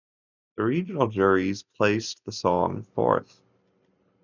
The regional juries placed the song fourth.